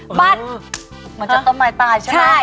เหมือนจะต้นไม้ตายใช่ไหม